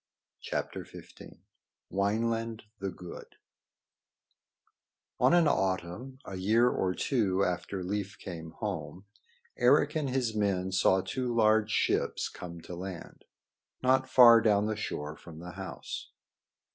[Decoration] Wineland the Good On an autumn, a year or two after Leif came home, Eric and his men saw two large ships come to land not far down the shore from the house.